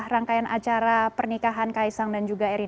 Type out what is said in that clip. rangkaian acara pernikahan kaisang dan juga erina